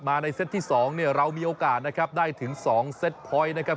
มาในเซตที่๒เรามีโอกาสได้ถึง๒เซตพอยต์นะครับ